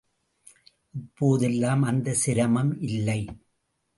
இப்போதெல்லாம் அந்த சிரமம் இல்லை.